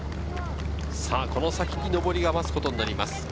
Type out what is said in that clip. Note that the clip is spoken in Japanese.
この先に上りが待つことになります。